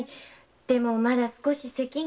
でもまだ少し咳が。